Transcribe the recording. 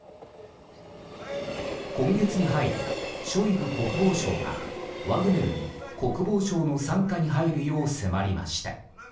今月に入り、ショイグ国防相がワグネルに国防省の傘下に入るよう迫りました。